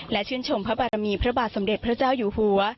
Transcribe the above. และชื่นชมพระบารมีพระบาทสมเด็จพระเจ้าอยู่หัว